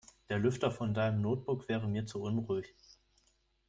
Der Lüfter von deinem Notebook wäre mir zu unruhig.